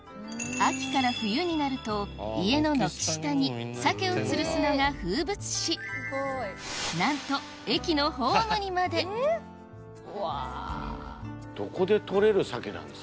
秋から冬になると家の軒下に鮭をつるすのが風物詩なんと駅のホームにまでどこで取れる鮭なんですか？